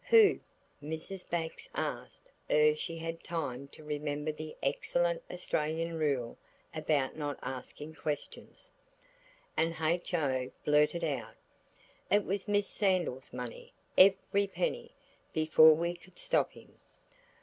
"Who?" Mrs. Bax asked ere she had time to remember the excellent Australian rule about not asking questions. And H.O. blurted out, "It was Miss Sandal's money–every penny," before we could stop him.